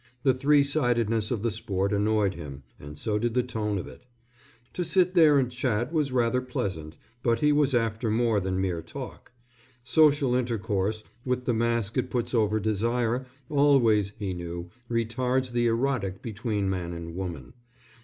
The three sidedness of the sport annoyed him, and so did the tone of it. To sit there and chat was rather pleasant, but he was after more than mere talk. Social intercourse, with the mask it puts over desire, always, he knew, retards the erotic between man and woman.